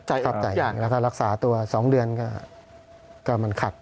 แล้วก็รักษาตัว๒เดือนก็มันขัด